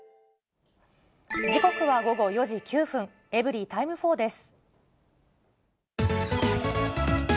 時刻は午後４時９分、エブリィタイム４です。